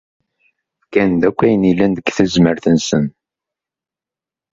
Fkant-d akk ayen yellan deg tezmert-nsent.